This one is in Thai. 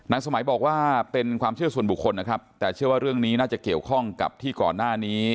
สมัยบอกว่าเป็นความเชื่อส่วนบุคคลนะครับแต่เชื่อว่าเรื่องนี้น่าจะเกี่ยวข้องกับที่ก่อนหน้านี้